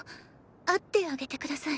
会ってあげて下さい。